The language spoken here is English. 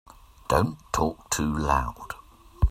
Don't talk too loud.